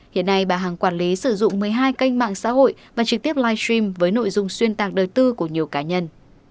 hiện nay bà hằng quản lý sử dụng một mươi hai kênh mạng xã hội và trực tiếp live stream với nội dung xuyên tạc đời tư của nhiều cá nhân